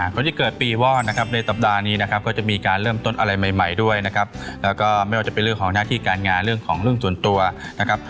คนที่เกิดปีว่อนนะครับในสัปดาห์นี้นะครับก็จะมีการเริ่มต้นอะไรใหม่ด้วยนะครับแล้วก็ไม่ว่าจะเป็นเรื่องของหน้าที่การงานเรื่องของเรื่องส่วนตัวนะครับ